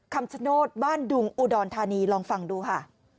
คำชโนธบ้านดุงอุดรธานีลองฟังดูค่ะ